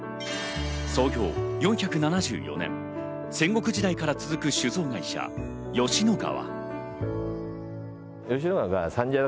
創業４７４年、戦国時代から続く酒造会社・吉乃川。